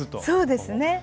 そうですね。